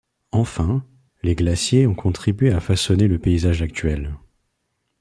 Enfin, les glaciers ont contribué à façonner le paysage actuel.